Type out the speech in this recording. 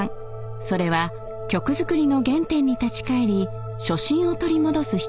［それは曲作りの原点に立ち返り初心を取り戻すひととき］